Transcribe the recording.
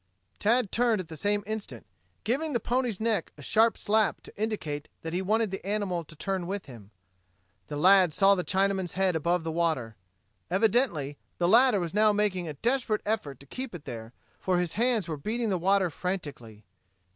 Tad turned at the same instant, giving the pony's neck a sharp slap to indicate that he wanted the animal to turn with him. The lad saw the Chinaman's head above the water. Evidently the latter was now making a desperate effort to keep it there, for his hands were beating the water frantically.